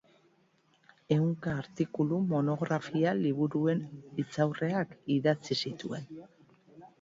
Ehunka artikulu, monografia, liburuen hitzaurreak idatzi zituen.